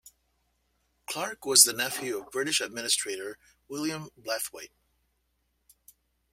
Clarke was the nephew of British administrator William Blathwayt.